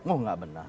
oh tidak benar